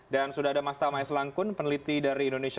dan sudah ada mas tamai selangkun peneliti dari indonesia